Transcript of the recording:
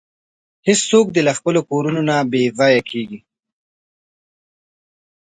هیڅوک دې له خپلو کورونو نه بې ځایه کیږي.